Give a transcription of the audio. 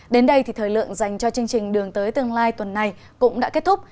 đến đây thì thời lượng dành cho chương trình đường tới tương lai tuần này cũng đã kết thúc